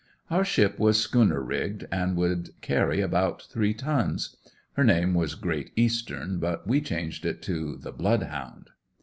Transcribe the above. Our ship was schooner rigged and would carry about three tons. Her name was "Great Eastern" but we changed it to "The Blood Hound."